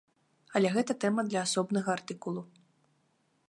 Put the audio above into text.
Але гэта тэма для асобнага артыкулу.